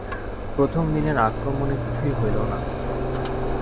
প্রথম দিনের আক্রমণে কিছুই হইল না।